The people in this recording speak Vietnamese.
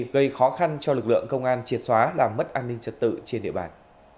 gây khó khăn cho lực lượng công an triệt xóa làm mất an ninh trật tự trên địa bàn